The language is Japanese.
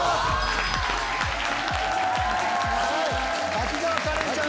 滝沢カレンちゃん！